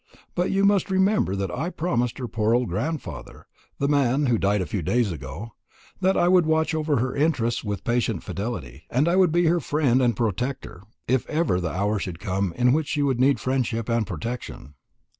But you must remember that I promised her poor old grandfather the man who died a few days ago that I would watch over her interests with patient fidelity, that I would be her friend and protector, if ever the hour should come in which she would need friendship and protection.